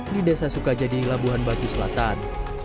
di desa sukajadi labuhan batu selatan